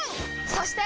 そして！